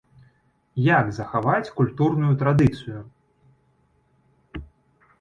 Як захаваць культурную традыцыю?